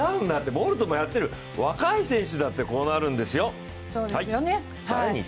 ボルトもやっている、若い選手だってこうなるんですよはい！